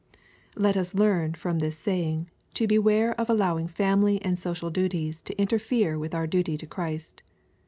Let us learn, from this saying, to beware of allowing family and social duties to interfere with our duty to Christ.